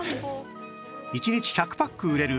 １日１００パック売れる